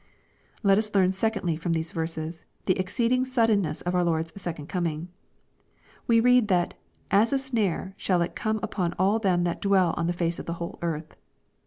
Let us learn secondly from these verses, the exceeding suddenness of our Lord's second coming. We read that " as a snare shall it come on all them that dwell on the face of the whole earth.''